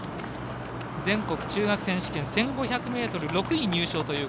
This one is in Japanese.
全国中学選手権１５００ｍ６位入賞。